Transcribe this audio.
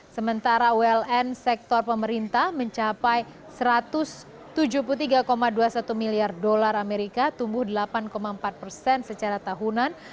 sementara uln sektor pemerintah mencapai satu ratus tujuh puluh tiga dua puluh satu miliar dolar amerika tumbuh delapan empat persen secara tahunan